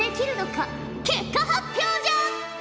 結果発表じゃ！